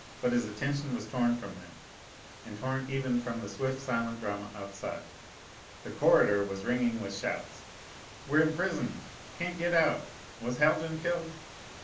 But his attention was torn from them, and torn even from the swift silent drama outside. The corridor was ringing with shouts. "We're imprisoned! Can't get out! Was Haljan killed?